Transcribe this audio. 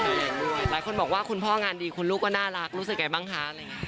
หลายคนบอกว่าคุณพ่องานดีคุณลูกก็น่ารักรู้สึกไกลบ้างคะ